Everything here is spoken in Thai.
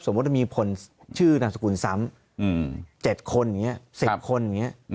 มีคนชื่อนามสกุลซ้ำ๗คนอย่างนี้๑๐คนอย่างนี้